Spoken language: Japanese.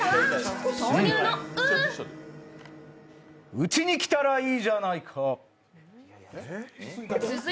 うちにきたらいいじゃないか。